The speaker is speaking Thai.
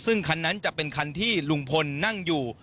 ซึ่งคันนั้นจะเป็นคันที่ลุงพลนั่งอยู่